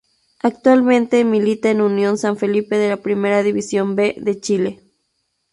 Actualmente milita en Unión San Felipe de la Primera División B de Chile.